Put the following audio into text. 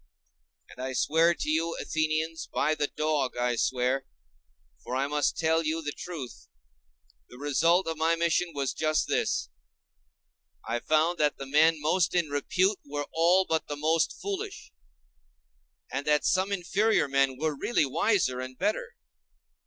And I swear to you, Athenians, by the dog I swear!—for I must tell you the truth—the result of my mission was just this: I found that the men most in repute were all but the most foolish; and that some inferior men were really wiser and better.